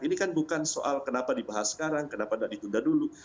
ini kan bukan soal kenapa dibahas sekarang kenapa tidak ditunda dulu